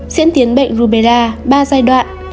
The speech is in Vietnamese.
diễn tiến bệnh rubella ba giai đoạn